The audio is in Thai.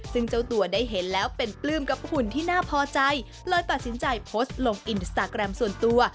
ซึ่งเจ้าตัวได้เห็นแล้วเป็นปลื้มกับหุ่นที่น่าพอใจเลยตัดสินใจโพสต์ลงอินสตาแกรมส่วนตัว